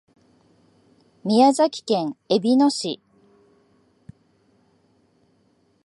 宮崎県えびの市